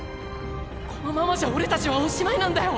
このままじゃ俺たちはおしまいなんだよ！！